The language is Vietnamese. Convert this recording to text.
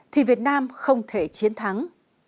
thì việt nam không thể chiến thắng